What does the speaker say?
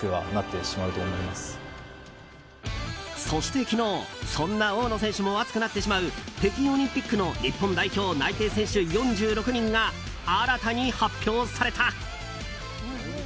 そして、昨日そんな大野選手も熱くなってしまう北京オリンピックの日本代表内定選手４６人が新たに発表された。